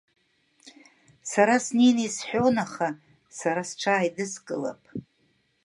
Сара снеины исҳәон, аха, сара сҽааидыскылап.